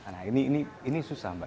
nah ini susah mba